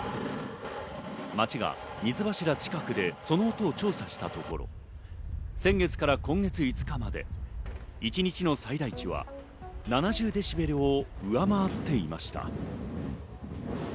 町が水柱近くで、その音を調査したところ、先月から今月５日まで、一日の最大値は７０デシベルを上回っていました。